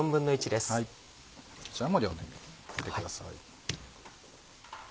こちらも両面に付けてください。